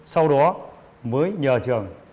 sau đó mới nhờ trường